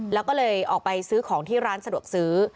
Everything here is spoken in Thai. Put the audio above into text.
แล้วก็เลยออกไปซื้อของที่ร้านสะดวกซื้อ